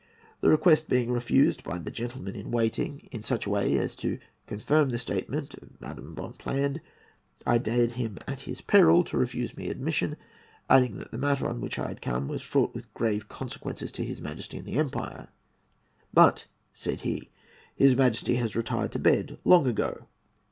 The request being refused by the gentleman in waiting, in such a way as to confirm the statement of Madame Bonpland, I dared him at his peril to refuse me admission, adding that the matter on which I had come was fraught with grave consequences to his Majesty and the empire. 'But,' said he, 'his Majesty has retired to bed long ago.'